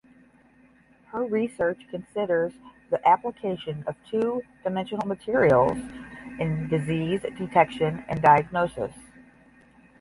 Her research considers the application of two dimensional materials in disease detection and diagnosis.